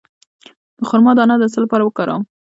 د خرما دانه د څه لپاره وکاروم؟